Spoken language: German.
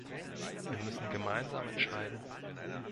Wir müssen gemeinsam entscheiden.